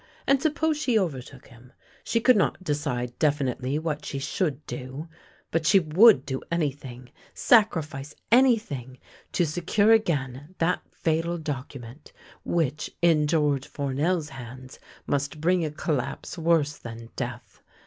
And suppose she overtook him? She could not decide definitely what she should do, but she would do anything, sacrifice anything, to secure again that fatal document which, in George Fournel's hands, must bring a collapse worse than death.